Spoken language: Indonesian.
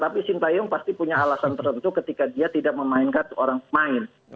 tapi sintayong pasti punya alasan tertentu ketika dia tidak memainkan seorang pemain